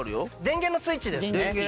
電源のスイッチですね。